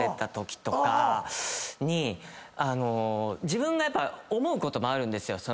自分が思うこともあるんですよ。